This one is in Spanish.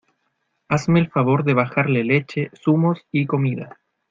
hazme el favor de bajarle leche, zumos y comida